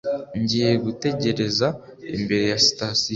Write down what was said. ngiye gutegereza imbere ya sitasiyo.